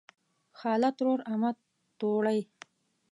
خاله ترور امه توړۍ